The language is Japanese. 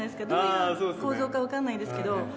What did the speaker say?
どういう構造か分かんないですけど。